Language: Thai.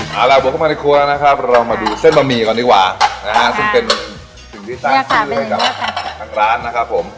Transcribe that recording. เอาล่ะบุกเข้ามาในครัวนะครับเรามาดูเส้นบะหมี่ก่อนดีกว่านะฮะซึ่งเป็นสิ่งที่สร้างชื่อให้กับทางร้านนะครับผม